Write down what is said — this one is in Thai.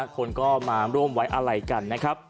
คนก็มาร่วมไว้อะไรกันนะครับ